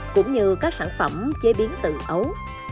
cũng như các sản phẩm chế biến tự ấu